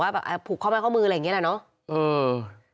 ไปผูกเข้ามาเข้ามืออะไรแบบนี้แหละเนาะ